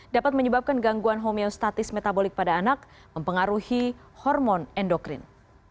dapat menyebabkan gangguan homeostatis metabolik pada anak mempengaruhi hormon endokrin